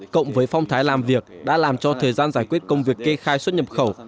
cộng với phong thái làm việc đã làm cho thời gian giải quyết công việc kê khai xuất nhập khẩu